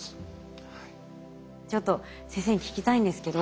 ちょっと先生に聞きたいんですけど。